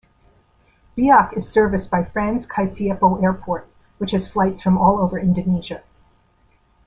Biak is serviced by Frans Kaisiepo Airport, which has flights from all over Indonesia.